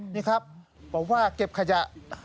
นี่ครับบอกว่าเก็บขยะ